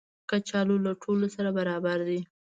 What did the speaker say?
کچالو له ټولو سره برابر دي